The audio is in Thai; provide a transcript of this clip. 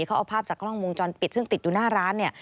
เขาเอาภาพจากกล้องวงจรปิดซึ่งติดอยู่หน้าร้านเนี่ย